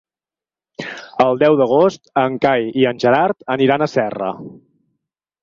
El deu d'agost en Cai i en Gerard aniran a Serra.